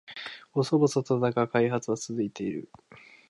細々とだが開発は続いている